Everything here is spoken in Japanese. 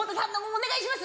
お願いします！